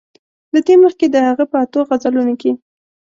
له دې مخکې د هغه په اتو غزلونو کې.